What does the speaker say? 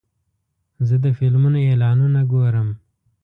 زه د فلمونو اعلانونه ګورم.